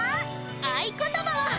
合言葉は！